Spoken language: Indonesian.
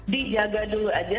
dijaga dulu aja